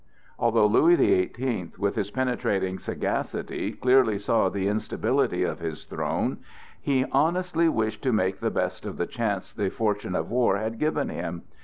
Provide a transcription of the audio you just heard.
Although Louis the Eighteenth, with his penetrating sagacity, clearly saw the instability of his throne, he honestly wished to make the best of the chance the fortune of war had given him.